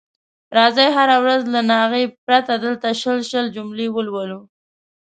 راځئ هره ورځ له ناغې پرته دلته شل شل جملې ولولو.